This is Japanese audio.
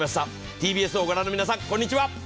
ＴＢＳを御覧の皆さん、こんにちは。